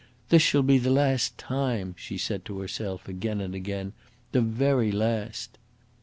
"This shall be the last time," she said to herself again and again "the very last."